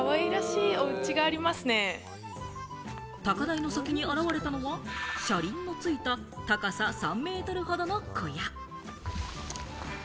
高台の先に現れたのは車輪のついた高さ３メートルほどの小屋。